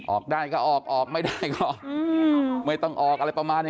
ออกได้ก็ออกออกไม่ได้ก็ไม่ต้องออกอะไรประมาณนี้